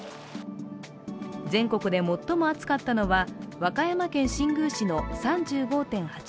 全国で最も暑かったのは和歌山県新宮市の３５．８度。